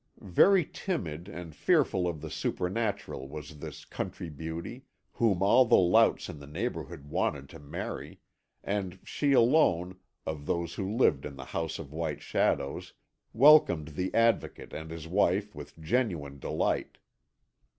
Very timid and fearful of the supernatural was this country beauty, whom all the louts in the neighbourhood wanted to marry, and she alone, of those who lived in the House of White Shadows, welcomed the Advocate and his wife with genuine delight.